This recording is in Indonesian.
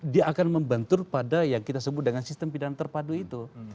dia akan membentur pada yang kita sebut dengan sistem pidana terpadu itu